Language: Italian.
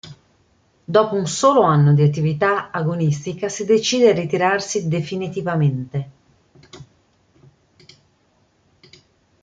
Dopo un solo anno di attività agonistica si decide a ritirarsi definitivamente.